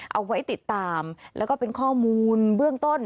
เอาไว้ติดตามแล้วก็เป็นข้อมูลเบื้องต้น